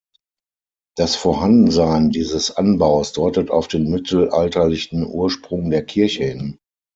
Das Vorhandensein dieses Anbaus deutet auf den mittelalterlichen Ursprung der Kirche hin.